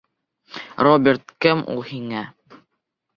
Роберт кем ул һиңә?